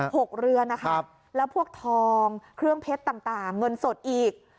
หกเรือนะครับแล้วพวกทองเครื่องเพชรต่างต่างเงินสดอีก